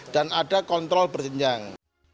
dan ada kontrol bersenjang